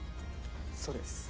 そうです。